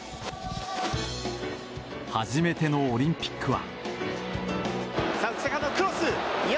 初めてのオリンピックは。